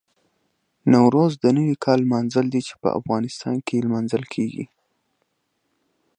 نوروز د نوي کال لمانځل دي چې په افغانستان کې لمانځل کېږي.